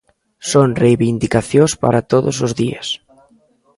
Son reivindicacións para todos os días.